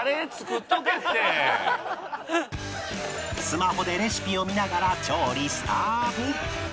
スマホでレシピを見ながら調理スタート